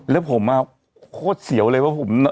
แล้วผมโคตรเสียวเลยว่าผม